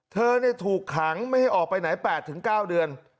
เธอถูกขังไม่ให้ออกไปไหน๘๙เดือน